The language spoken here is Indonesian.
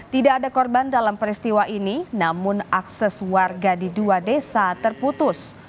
tidak ada korban dalam peristiwa ini namun akses warga di dua desa terputus